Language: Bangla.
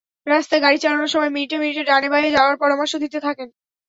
রাস্তায় গাড়ি চালানোর সময় মিনিটে মিনিটে ডানে-বাঁয়ে যাওয়ার পরামর্শ দিতে থাকেন।